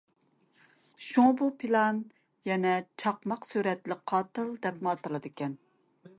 شۇڭا بۇ يىلان يەنە« چاقماق سۈرئەتلىك قاتىل» دەپمۇ ئاتىلىدىكەن.